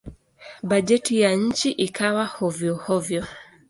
Bajeti ya nchi ikawa hovyo-hovyo.